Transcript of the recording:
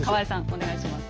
お願いします。